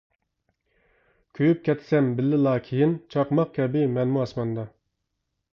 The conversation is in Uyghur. كۆيۈپ كەتسەم بىللىلا كىيىن، چاقماق كەبى مەنمۇ ئاسماندا.